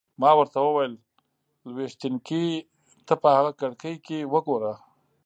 ما ورته وویل: لویشتينکې! ته په هغه کړکۍ کې وګوره.